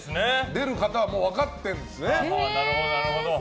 出る方はもう分かってるんですね。